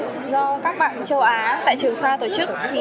tết nguyên đán do các bạn châu á tại trường pha tổ chức